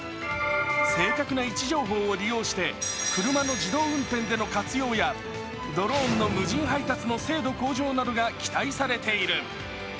正確な位置情報を利用して車の自動運転での活用やドローンの無人配達の精度向上などが期待されている。